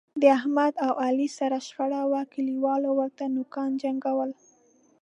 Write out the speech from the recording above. د احمد او علي سره شخړه وه، کلیوالو ورته نوکونو جنګول.